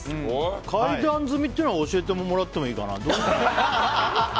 階段積みっていうの教えてもらってもいいかな？